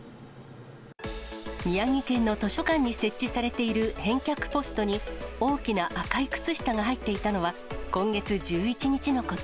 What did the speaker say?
宮城県の図書館に設置されている返却ポストに、大きな赤い靴下が入っていたのは、今月１１日のこと。